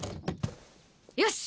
よし！